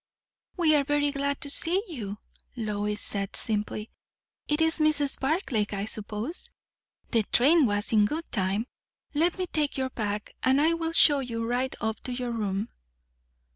"We are very glad to see you," Lois said simply. "It is Mrs. Barclay, I suppose? The train was in good time. Let me take your bag, and I will show you right up to your room."